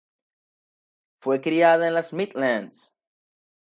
Fue criada en las Midlands.